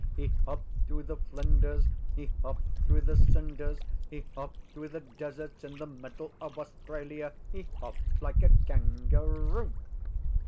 He hopped through the Flinders; he hopped through the Cinders; he hopped through the deserts in the middle of Australia. He hopped like a Kangaroo.